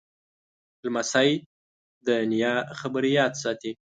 لمسی د نیا خبرې یاد ساتي.